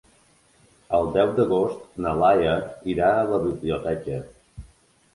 El deu d'agost na Laia irà a la biblioteca.